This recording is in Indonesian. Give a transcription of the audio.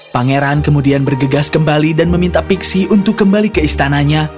pangeran kemudian bergegas kembali dan meminta pixie untuk kembali ke istananya